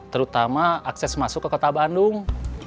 terutama akses masuk ke kota bandung